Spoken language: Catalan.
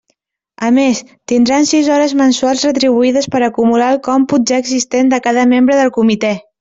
A més, tindran sis hores mensuals retribuïdes per acumular al còmput ja existent de cada membre del comitè.